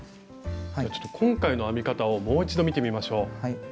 ちょっと今回の編み方をもう一度見てみましょう。